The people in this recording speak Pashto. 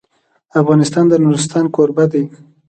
افغانستان د نورستان کوربه دی.